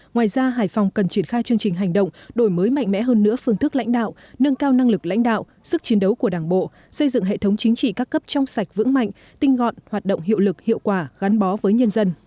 ngoài ra hải phòng cần triển khai chương trình hành động đổi mới mạnh mẽ hơn nữa phương thức lãnh đạo nâng cao năng lực lãnh đạo sức chiến đấu của đảng bộ xây dựng hệ thống chính trị các cấp trong sạch vững mạnh tinh gọn hoạt động hiệu lực hiệu quả gắn bó với nhân dân